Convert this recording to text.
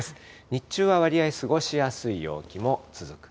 日中はわりあい過ごしやすい陽気も続く。